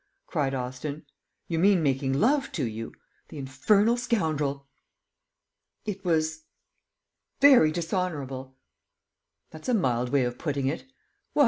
cried Austin; "you mean making love to you! The infernal scoundrel!" "It was very dishonourable!" "That's a mild way of putting it. What!